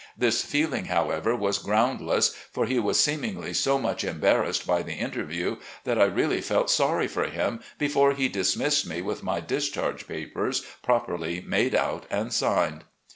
This feeling, however, was grotmdless, for he was seemingly so much embar rassed by the interview that I really felt sorry for him before he dismissed me with my discharge papers, properly made out and signed.